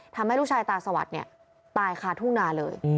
ทำให้ลูกชายตาสวัสดิ์ตายคาทุ่งนาเลย